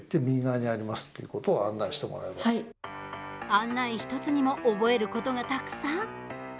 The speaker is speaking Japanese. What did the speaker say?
案内１つにも覚えることがたくさん。